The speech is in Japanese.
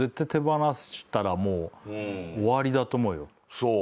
そう。